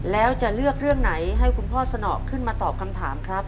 แล้วจะเลือกเรื่องไหนให้คุณพ่อสนอขึ้นมาตอบคำถามครับ